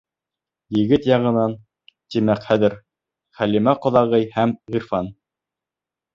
Егет яғынан, тимәк, хәҙер Хәлимә ҡоҙағый менән Ғирфан.